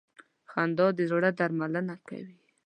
• خندا د زړه درملنه کوي.